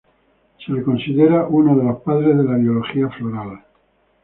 Se le considera uno de los padres de la biología floral.